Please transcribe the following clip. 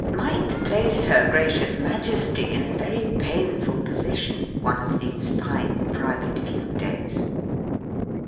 might place .Her <!racioiis Majesty in a painful position, one of thesie line Private View Pays.